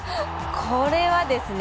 これはですね